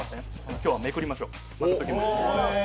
今日はめくりましょう。